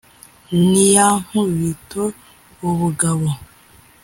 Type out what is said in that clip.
N’ iya Nkubito ubugabo